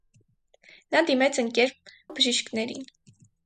Նա դիմեց ընկեր բժիշկներին: